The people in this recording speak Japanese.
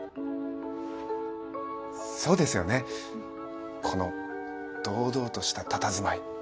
そうですよねこの堂々としたたたずまい。